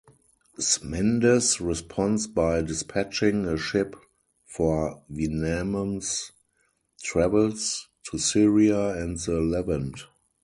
Smendes responds by dispatching a ship for Wenamun's travels to Syria and the Levant.